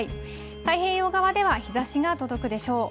太平洋側では日ざしが届くでしょう。